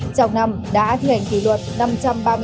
trong năm đã át ngành kỷ luật năm trăm ba mươi sáu